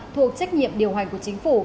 thuộc trách nhiệm điều hành của chính phủ